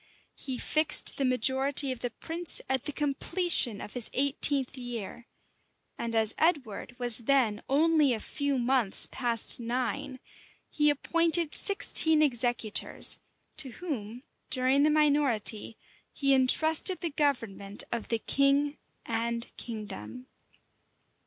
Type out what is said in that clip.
He fixed the majority of the prince at the completion of his eighteenth year; and as Edward was then only a few months past nine, he appointed sixteen executors; to whom, during the minority, he intrusted the government of the king and kingdom.